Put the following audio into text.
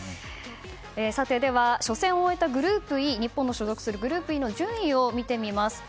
さて、初戦を終えた日本が所属するグループＥの順位を見てみます。